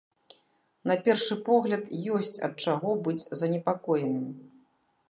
На першы погляд, ёсць ад чаго быць занепакоеным.